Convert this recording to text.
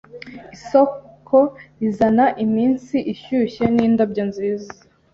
Isoko izana iminsi ishyushye nindabyo nziza.